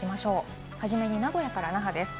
初めに名古屋から那覇です。